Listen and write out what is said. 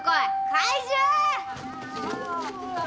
怪獣！